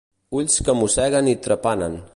Ulls que mosseguen i trepanen.